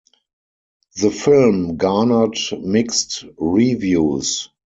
The film garnered mixed reviews.